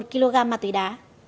một kg ma túy đá